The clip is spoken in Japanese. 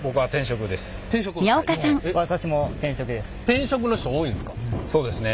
転職の人多いんですか？